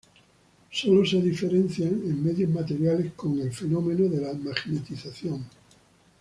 Solo se diferencian en medios materiales con el fenómeno de la magnetización.